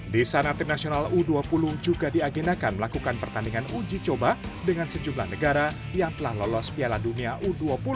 di sana tim nasional u dua puluh juga diagendakan melakukan pertandingan uji coba dengan sejumlah negara yang telah lolos piala dunia u dua puluh